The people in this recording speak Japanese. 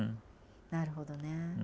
なるほどね。